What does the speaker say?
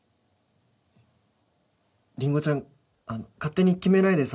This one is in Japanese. りんごちゃんあの勝手に決めないでさ